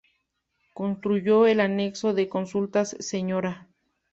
Construyó el Anexo de Consultas Sra.